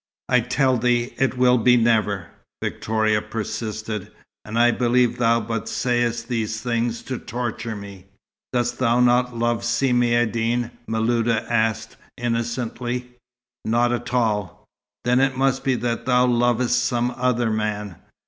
"I tell thee, it will be never," Victoria persisted. "And I believe thou but sayest these things to torture me." "Dost thou not love Si Maïeddine?" Miluda asked innocently. "Not at all." "Then it must be that thou lovest some other man.